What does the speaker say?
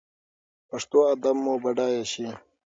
پښتو ادب مو بډایه شي.